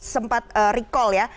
sempat recall ya